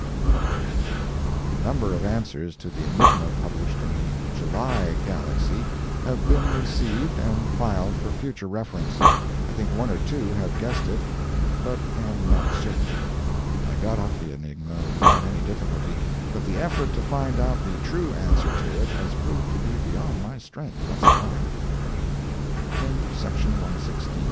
A number of answers to the enigma published in the July GALAXY have been received and filed for future reference. I think one or two have guessed it, but am not certain. I got up the enigma without any difficulty, but the effort to find out the true answer to it has proved to be beyond my strength, thus far. THE GALAXY, October 1870 MEMORAND